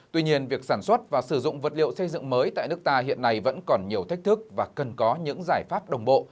tuy nhiên việc sản xuất và sử dụng vật liệu xây dựng mới tại nước ta hiện nay vẫn còn nhiều thách thức và cần có những giải pháp đồng bộ